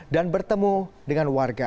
dan bertemu dengan warga